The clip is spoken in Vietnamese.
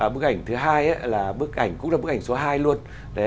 bức ảnh thứ hai là bức ảnh cũng là bức ảnh số hai luôn